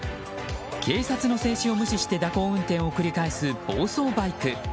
警察の制止を無視して蛇行運転を繰り返す暴走バイク。